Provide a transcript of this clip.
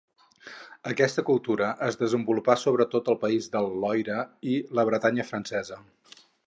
Aquesta cultura es desenvolupà sobretot al País del Loira i la Bretanya francesa.